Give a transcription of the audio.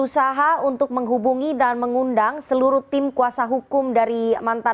selamat sore mbak rifana